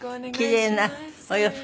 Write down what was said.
キレイなお洋服。